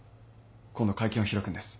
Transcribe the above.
今度会見を開くんです。